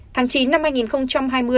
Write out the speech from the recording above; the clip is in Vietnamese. tháng chín năm hai nghìn hai mươi